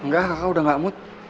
enggak kakak udah gak mood